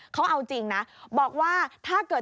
เขาเอาจริงนะบอกว่าถ้าเกิด